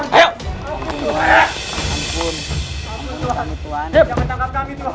jangan tangkap kami tuhan